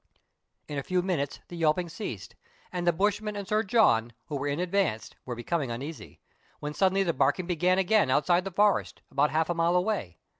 In a few minutes the yelping ceased, and the bushman and Sir John, who were in advance, were becoming uneasy, when suddenly the barking began again outside the forest, about half a mile away.